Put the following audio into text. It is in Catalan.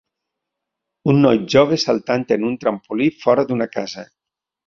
un noi jove saltant en un trampolí fora d'una casa